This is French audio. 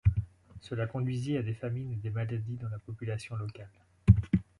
Cela conduisit à des famines et des maladies dans la population locale.